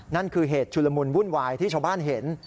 นั่นคือเหตุชุลมุนวุ่นวายที่ชาวบ้านเห็น